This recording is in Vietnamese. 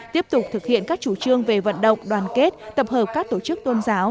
tiếp tục thực hiện các chủ trương về vận động đoàn kết tập hợp các tổ chức tôn giáo